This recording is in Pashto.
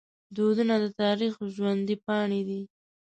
دودونه د تاریخ ژوندي پاڼې دي.